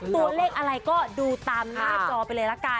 ตัวเลขอะไรก็ดูตามหน้าจอไปเลยละกัน